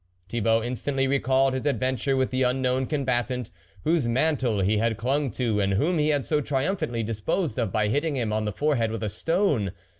Thibault instantly recalled his adventure with the unknown combatant, whose mantle he had clung to, and whom he had so triumphantly disposed of by hitting him on the forehead with a stone.